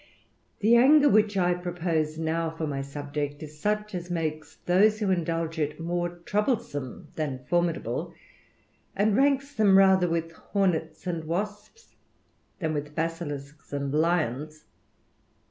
The anger which I propose now for my subject, is such as makes those who indulge it more troublesome than formidable, and ranks them rather with hornets and wasps, than with basilisks and lions.